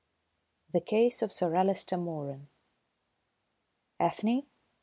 IV THE CASE OF SIR ALISTER MOERAN "Ethne?"